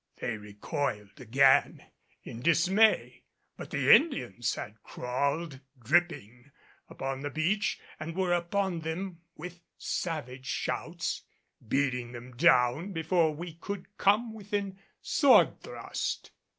They recoiled again in dismay, but the Indians had crawled dripping upon the beach and were upon them with savage shouts, beating them down before we could come within sword thrust.